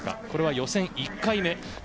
これは予選１回目。